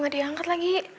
gak diangkat lagi